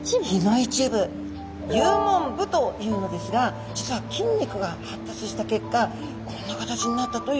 幽門部というのですが実は筋肉が発達した結果こんな形になったということなんです。